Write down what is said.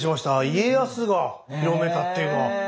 家康が広めたっていうのは。